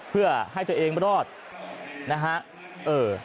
เพื่อให้ตัวเองรอดนะฮะ